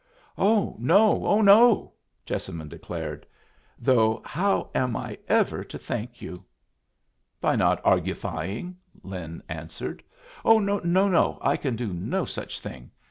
"Oh no! oh no!" Jessamine declared. "Though how am I ever to thank you?" "By not argufying," Lin answered. "Oh no, no! I can do no such thing.